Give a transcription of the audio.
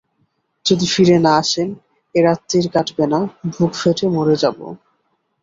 যদি ফিরে না আসেন এ রাত্তির কাটবে না, বুক ফেটে মরে যাব।